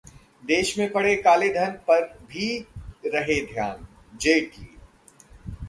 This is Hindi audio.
देश में पड़े कालेधन पर भी रहे ध्यान: जेटली